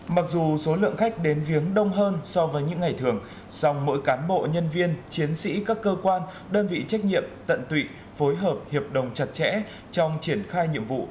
mặc dù số lượng khách đến viếng đông hơn so với những ngày thường song mỗi cán bộ nhân viên chiến sĩ các cơ quan đơn vị trách nhiệm tận tụy phối hợp hiệp đồng chặt chẽ trong triển khai nhiệm vụ